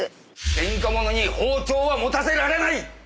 前科者に包丁は持たせられない！